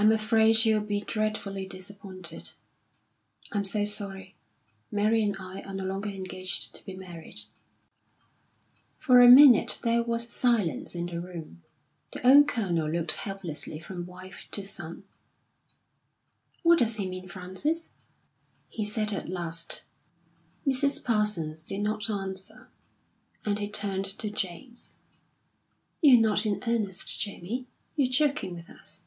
"I'm afraid you'll be dreadfully disappointed. I'm so sorry Mary and I are no longer engaged to be married." For a minute there was silence in the room. The old Colonel looked helplessly from wife to son. "What does he mean, Frances?" he said at last. Mrs. Parsons did not answer, and he turned to James. "You're not in earnest, Jamie? You're joking with us?"